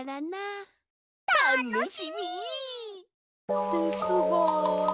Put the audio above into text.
たっのしみ！ですが。